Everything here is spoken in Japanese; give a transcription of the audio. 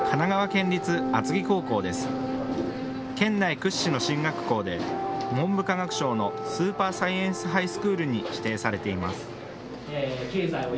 県内屈指の進学校で文部科学省のスーパーサイエンスハイスクールに指定されています。